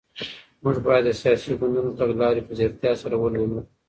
موږ بايد د سياسي ګوندونو تګلاري په ځيرتيا سره ولولو.